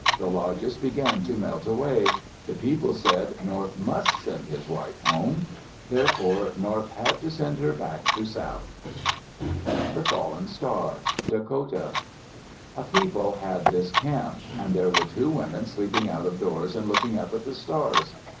The lodges began to melt away. The people said North must send his wife home. Therefore North had to send her back to South. THE FALLEN STAR Dakota A people had this camp. And there were two women sleeping out of doors and looking up at the stars.